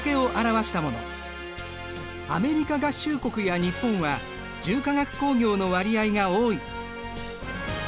アメリカ合衆国や日本は重化学工業の割合が多い。